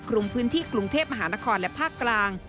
รุมพื้นที่กรุงเทพมหานครและภาคกลาง